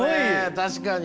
確かに。